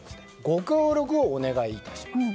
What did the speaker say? ご協力をお願い致しますと。